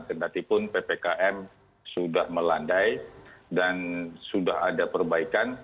tentatipun ppkm sudah melandai dan sudah ada perbaikan